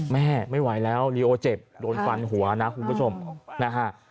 ไม่ไหวแล้วลีโอเจ็บโดนฟันหัวนะคุณผู้ชมนะฮะ